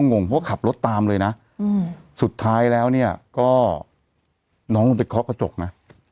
งงเพราะว่าขับรถตามเลยนะสุดท้ายแล้วเนี่ยก็น้องลงไปเคาะกระจกนะ